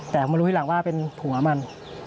แต่มารู้ทีหลังว่าเป็นผัวมัน